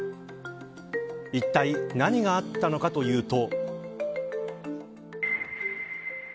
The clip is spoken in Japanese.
いったい何があったのかというと。